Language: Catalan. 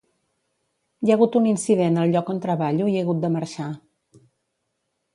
Hi ha hagut un incident al lloc on treballo i he hagut de marxar.